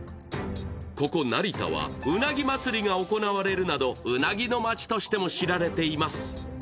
ここ成田はうなぎ祭りが行われるなどうなぎの街としても知られています。